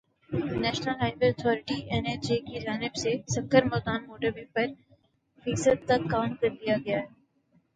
national highway authority N H A کی جانب سے سکھر ملتان موٹر وے پر فیصد تک کام کر لیا گیا ہے